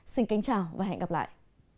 xin kính chào và hẹn gặp lại